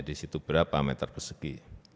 di situ berapa meter persegi